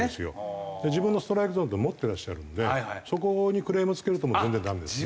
自分のストライクゾーンって持ってらっしゃるんでそこにクレームつけるともう全然ダメですね。